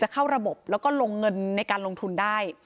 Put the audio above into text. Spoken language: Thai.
เข้าระบบแล้วก็ลงเงินในการลงทุนได้